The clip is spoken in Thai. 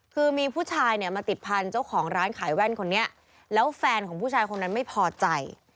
คือมีผู้ชายเนี่ยมาติดพันธุ์เจ้าของร้านขายแว่นคนนี้แล้วแฟนของผู้ชายคนนั้นไม่พอใจ